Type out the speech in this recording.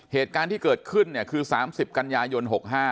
เหตุการณ์ที่เกิดขึ้นคือ๓๐กันยายน๖๕